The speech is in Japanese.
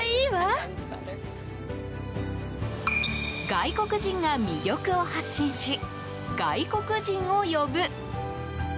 外国人が魅力を発信し外国人を呼ぶ。